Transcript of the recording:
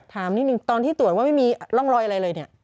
ถามนิดนึงตอนที่ตรวจว่าไม่มีร่องรอยอะไรเลยเนี่ย